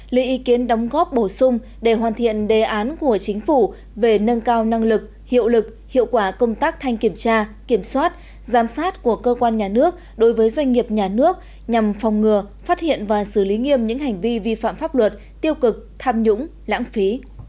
lý ý kiến đóng góp bổ sung để hoàn thiện đề án của chính phủ về nâng cao năng lực hiệu lực hiệu quả công tác thanh kiểm tra kiểm soát giám sát của cơ quan nhà nước đối với doanh nghiệp nhà nước nhằm phòng ngừa phát hiện và xử lý nghiêm những hành vi vi phạm pháp luật tiêu cực tham nhũng lãng phí